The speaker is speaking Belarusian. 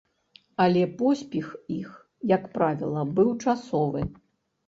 Але поспех іх, як правіла, быў часовы.